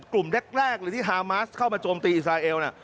กลุ่มแรกเลยที่ฮามาสเข้ามาโจมตีอิสราเอล